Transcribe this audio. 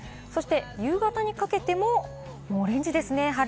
夕方にかけてもオレンジです、晴れ。